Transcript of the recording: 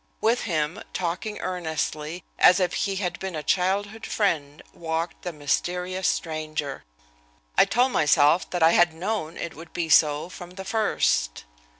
With him, talking earnestly, as if he had been a childhood friend, walked the mysterious stranger. I told myself that I had known it would be so from the first.